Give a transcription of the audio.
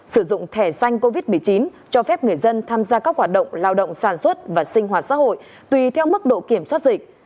sử dụng thẻ xanh covid một mươi chín cho phép người dân tham gia các hoạt động lao động sản xuất và sinh hoạt xã hội tùy theo mức độ kiểm soát dịch